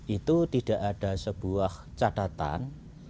itu tidak ada sebuah catatan